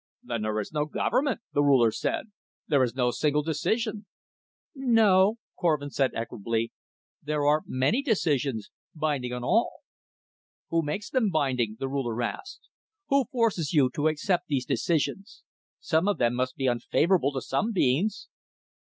"Then there is no government," the Ruler said. "There is no single decision." "No," Korvin said equably, "there are many decisions binding on all." "Who makes them binding?" the Ruler asked. "Who forces you to accept these decisions? Some of them must be unfavorable to some beings?"